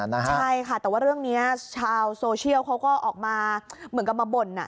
ใช่ค่ะแต่ว่าเรื่องนี้ชาวโซเชียลเขาก็ออกมาเหมือนกับมาบ่น